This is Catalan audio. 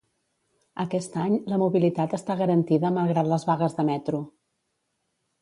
Aquest any, la mobilitat està garantida malgrat les vagues de metro.